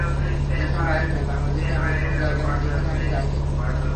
দেশের বাইরে নয়, বাংলাদেশের এমন কোনো জায়গা নেই, যেখানে আমি যাইনি।